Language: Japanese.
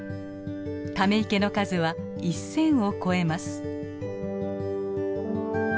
ため池の数は１，０００を超えます。